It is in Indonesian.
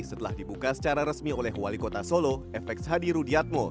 setelah dibuka secara resmi oleh wali kota solo fx hadi rudiatmo